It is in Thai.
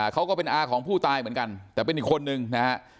เขาก็เป็นอาของผู้ตายเหมือนกันแต่เป็นอีกคนนึงนะฮะ